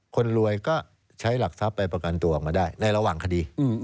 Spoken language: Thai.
คนรวยก็ใช้หลักทรัพย์ไปประกันตัวออกมาได้ในระหว่างคดี